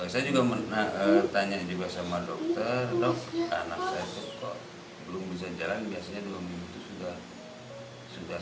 saya juga tanya juga sama dokter dok anak saya kok belum bisa jalan biasanya dua minggu itu sudah